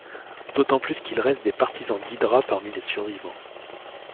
D'autant qu'il reste des partisans d'Hydra parmi les survivants.